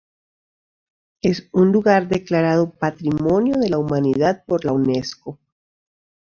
Es un lugar declarado Patrimonio de la Humanidad por la Unesco.